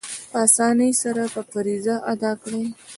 په آسانۍ سره به فریضه ادا کړي.